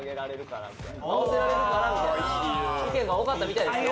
合わせられるからみたいな意見が多かったみたいですよ。